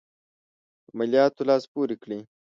په عملیاتو لاس پوري کړي.